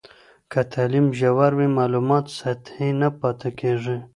که تعلیم ژور وي، معلومات سطحي نه پاته کېږي.